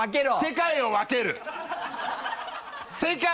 世界を分ける！